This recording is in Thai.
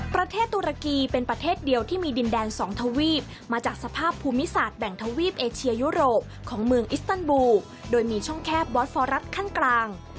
ตุรกีเป็นประเทศเดียวที่มีดินแดน๒ทวีปมาจากสภาพภูมิศาสตร์แบ่งทวีปเอเชียยุโรปของเมืองอิสตันบูโดยมีช่องแคบบอสฟอรัสขั้นกลาง